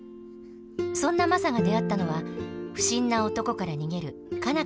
そんなマサが出会ったのは不審な男から逃げる佳奈